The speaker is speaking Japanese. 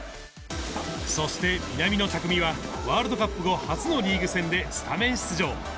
そして南野拓実は、ワールドカップ後初のリーグ戦でスタメン出場。